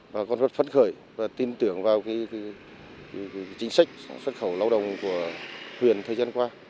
bà con rất phấn khởi và tin tưởng vào chính sách xuất khẩu lao động của huyện thời gian qua